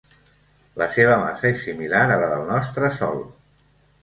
La seva massa és similar a la del nostre Sol.